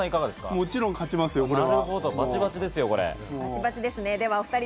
もちろん勝ちますよ。